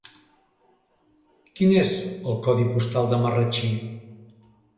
Quin és el codi postal de Marratxí?